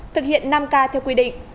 thực hiện năm ca theo quy định